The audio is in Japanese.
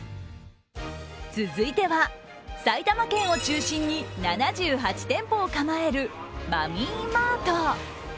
続いては、埼玉県を中心に７８店舗を構えるマミーマート。